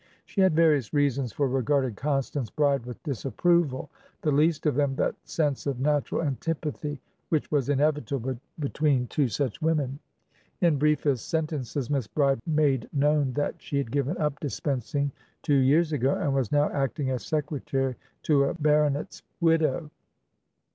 She had various reasons for regarding Constance Bride with disapproval, the least of them that sense of natural antipathy which was inevitable between two such women. In briefest sentences Miss Bride made known that she had given up dispensing two years ago, and was now acting as secretary to a baronet's widow.